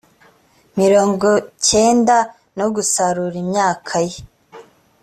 mirongo cyenda no gusarura imyaka ye